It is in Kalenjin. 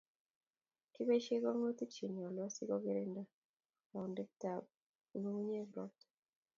Kiboisie konogutik chenyolu asikogirinda kaundoetap ngungunyek ropta